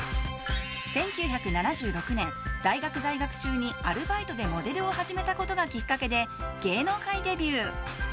１９７６年、大学在学中にアルバイトでモデルを始めたことがきっかけで芸能界デビュー。